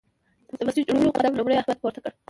د مسجد جوړولو قدم لومړی احمد پورته کړ.